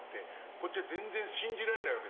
こっちは全然信じられないわけです。